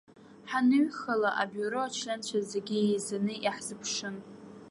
Ҳаныҩхала абиуро ачленцәа зегьы еизаны иаҳзыԥшын.